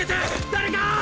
誰か！